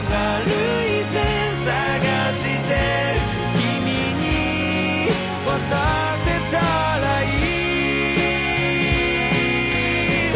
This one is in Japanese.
「君に渡せたらいい」